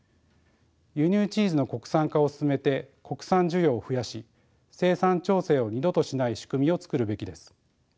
輸入チーズの国産化を進めて国産需要を増やし生産調整を二度としない仕組みを作るべきです。